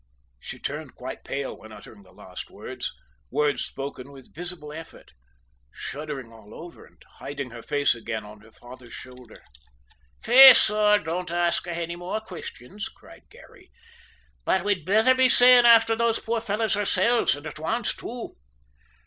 She turned quite pale when uttering the last words, words spoken with visible effort, shuddering all over and hiding her face again on her father's shoulder. "Faith, sor, don't ask her any more questions," cried Garry, "but we'd betther be sayin' afther those poor fellows ourselves, an' at once, too!"